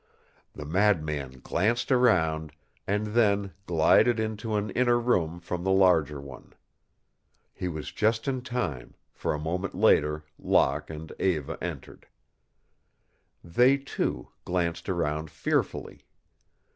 The madman glanced around, and then glided into an inner room from the larger one. He was just in time, for a moment later Locke and Eva entered. They, too, glanced around fearfully.